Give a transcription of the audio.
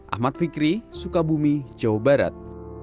ahmad fikri sukabumi jawa barat